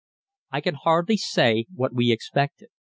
I can hardly say what we expected.